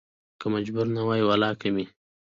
که مجبور نه وى ولا کې مې